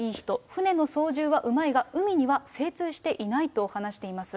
船の操縦はうまいが、海には精通していないと話しています。